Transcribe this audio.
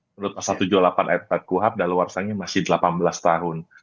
menurut masa tujuh puluh delapan ayat empat kuhab dah luar saingnya masih delapan belas tahun